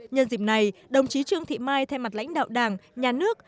nhân dịp này đồng chí trương thị mai thay mặt lãnh đạo đảng nhà nước